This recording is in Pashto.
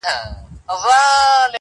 پر چا زیارت او پر چا لوړي منارې جوړي سي،